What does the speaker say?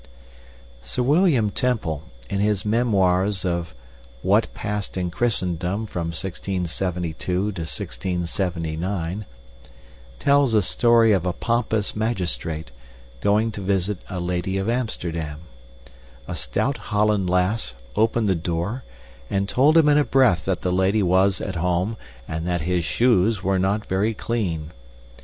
Sir William Temple, in his memoirs of "What Passed in Christendom from 1672 to 1679," tells a story of a pompous magistrate going to visit a lady of Amsterdam. A stout Holland lass opened the door, and told him in a breath that the lady was at home and that his shoes were not very clean.